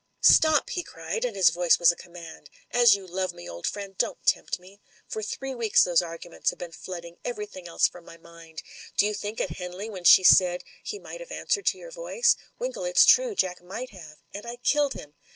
"Stop!" he cried, and his voice was a command. "As you love me, old friend, don't tempt me. For three weeks those arguments have been flooding every thing else from my mind. Do you remember at Hen ley, when she said, 'He might have answered to your voice?* Winkle, it's true, Jack might have. And I killed him.